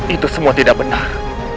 itu semua tidak benar